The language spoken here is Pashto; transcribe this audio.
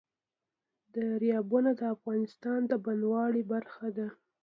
دریابونه د افغانستان د بڼوالۍ برخه ده.